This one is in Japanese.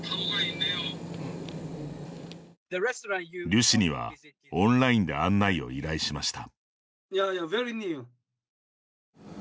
リュ氏にはオンラインで案内を依頼しました。